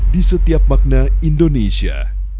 di setiap makna indonesia